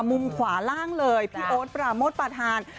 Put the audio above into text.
มุมขวาล่างเลยพี่โอ๊ตประหลาคภาทาน